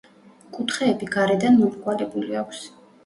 კუთხეები გარედან მომრგვალებული აქვს.